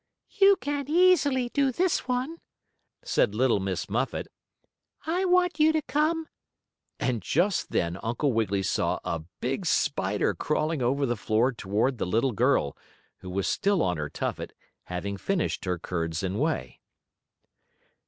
"You can easily do this one," said Little Miss Muffet. "I want you to come " And just then Uncle Wiggily saw a big spider crawling over the floor toward the little girl, who was still on her tuffet, having finished her curds and whey.